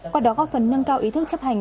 qua đó góp phần nâng cao ý thức chấp hành